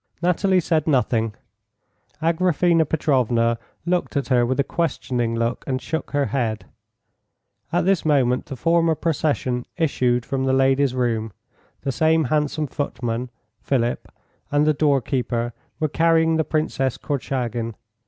Nathalie said nothing. Agraphena Petrovna looked at her with a questioning look, and shook her head. At this moment the former procession issued from the ladies' room. The same handsome footman (Philip). and the doorkeeper were carrying the Princess Korchagin.